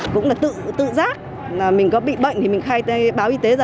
cũng là tự giác mình có bị bệnh thì mình khai báo y tế ra